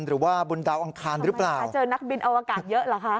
หรือว่าบนดาวอังคารหรือเปล่าถ้าเจอนักบินอวกาศเยอะเหรอคะ